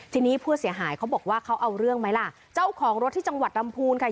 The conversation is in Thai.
ทีนี้ผู้เสียหายเขาบอกว่าเขาเอาเรื่องไหมล่ะเจ้าของรถที่จังหวัดลำพูนค่ะ